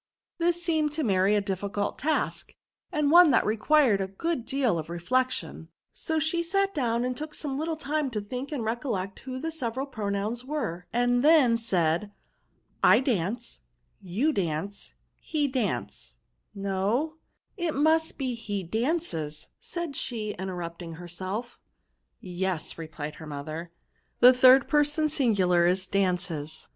This seemed to Mary a difficult task, and one that required a good deal of reflection ; so she sat down, and took some little time to think and recollect who the several pronouns were, and then said, —" I dance, you dance, he dance t no, it must be he dances," said she, interrupting herself. '* Yes," replied her mother, the third person singular is dances.